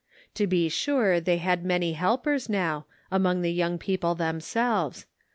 To be sure they had many helpers now, among the young people themselves.